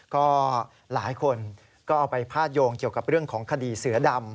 ก็หลายคนก็เอาไปพาดโยงเกี่ยวกับเรื่องของคดีเสือดำ